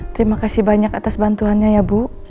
terima kasih banyak atas bantuannya ya bu